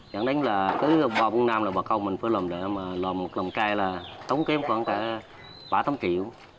chẳng đánh là cứ ba bốn năm là bà công mình phải lồng lại mà lồng lồng cai là tống kém khoảng cả ba bốn triệu